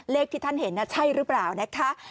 ที่ท่านเห็นใช่หรือเปล่านะคะ